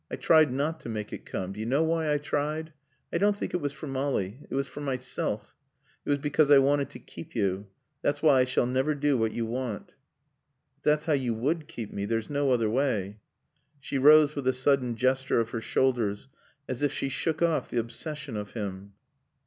"I tried not to make it come. Do you know why I tried? I don't think it was for Molly. It was for myself. It was because I wanted to keep you. That's why I shall never do what you want." "But that's how you would keep me. There's no other way." She rose with a sudden gesture of her shoulders as if she shook off the obsession of him.